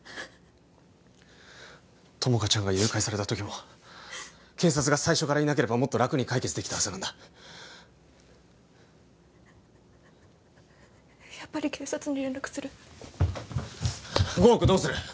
友果ちゃんが誘拐された時も警察が最初からいなければもっと楽に解決できたはずなんだやっぱり警察に連絡する５億どうする？